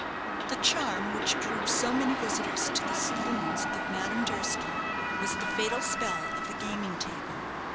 The charm which drew so many visitors to the saloons of Madame Durski was the fatal spell of the gaming table.